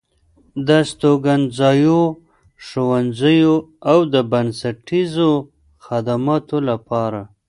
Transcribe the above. د استوګنځايو، ښوونځيو او د بنسټيزو خدماتو لپاره